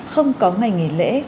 không có ngày nghỉ lễ